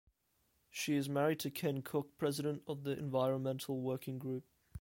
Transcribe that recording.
She is married to Ken Cook, president of the Environmental Working Group.